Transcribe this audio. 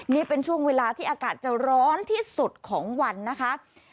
นี่เป็นช่วงเวลาที่อากาศจะร้อนที่สุดของวันนะคะ